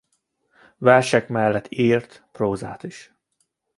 Versek mellett írt prózát is.